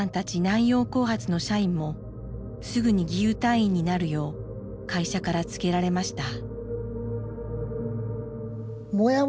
南洋興発の社員もすぐに義勇隊員になるよう会社から告げられました。